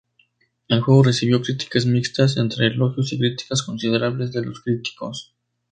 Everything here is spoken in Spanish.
El juego recibió críticas mixtas entre elogios y críticas considerables de los críticos.